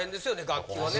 楽器はね。